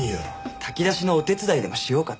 炊き出しのお手伝いでもしようかと。